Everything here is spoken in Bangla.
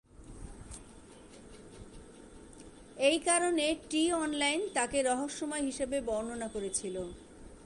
এই কারণে, "টি-অনলাইন" তাকে "রহস্যময়" হিসাবে বর্ণনা করেছিল।